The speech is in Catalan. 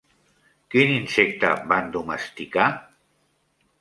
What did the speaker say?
Quin insecte van domesticar?